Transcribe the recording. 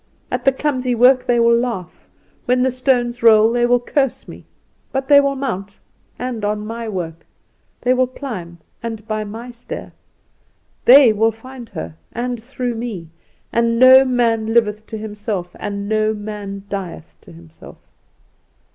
At the clumsy work they will laugh; when the stones roll they will curse me. But they will mount, and on my work; they will climb, and by my stair! They will find her, and through me! And no man liveth to himself and no man dieth to himself.